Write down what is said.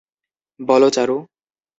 বলো, চারু।